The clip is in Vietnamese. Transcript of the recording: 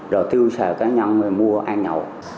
rồi tiêu sở cá nhân mua